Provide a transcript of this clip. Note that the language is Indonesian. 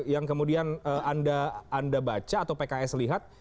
yang kemudian anda baca atau pks lihat